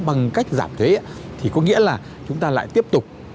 bằng cách giảm thế thì có nghĩa là chúng ta lại tiếp tục